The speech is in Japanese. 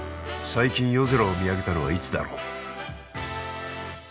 最近夜空を見上げたのはいつだろう？